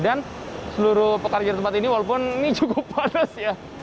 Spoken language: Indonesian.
dan seluruh pekerjaan tempat ini walaupun ini cukup panas ya